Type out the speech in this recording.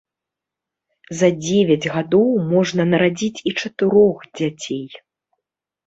За дзевяць гадоў можна нарадзіць і чатырох дзяцей.